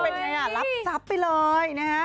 รับทรัพย์ไปเลย